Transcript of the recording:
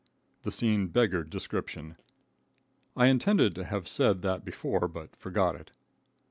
The scene beggared description. I intended to have said that before, but forgot it.